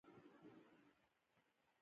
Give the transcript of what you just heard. الله ج مو مل شه.